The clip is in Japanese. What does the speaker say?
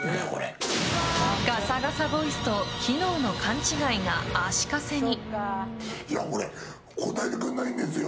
ガサガサボイスと機能の勘違いが足かせに。